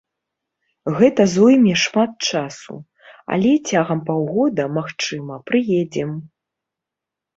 Гэта зойме шмат часу, але цягам паўгода, магчыма, прыедзем.